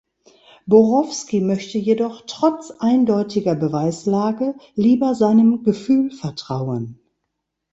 Borowski möchte jedoch trotz eindeutiger Beweislage lieber seinem Gefühl vertrauen.